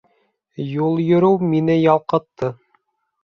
Юл йөрөү мине ялҡытты.